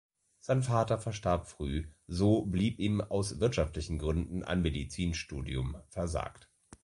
Sein Vater verstarb früh, so blieb ihm aus wirtschaftlichen Gründen ein Medizinstudium versagt.